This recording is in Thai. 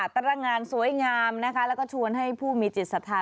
ตรงานสวยงามนะคะแล้วก็ชวนให้ผู้มีจิตศรัทธา